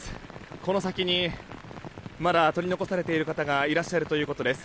この先にまだ取り残されている方がいらっしゃるということです。